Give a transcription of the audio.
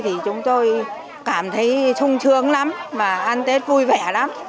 thì chúng tôi cảm thấy sung sướng lắm mà ăn tết vui vẻ lắm